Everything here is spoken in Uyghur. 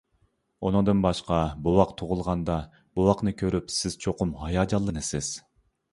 ئۇنىڭدىن باشقا، بوۋاق تۇغۇلغاندا بوۋاقنى كۆرۈپ سىز چوقۇم ھاياجانلىنىسىز.